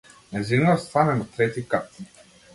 Нејзиниот стан е на трети кат.